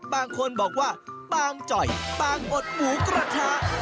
บางคนบอกว่าปางจ่อยปางอดหมูกระทะ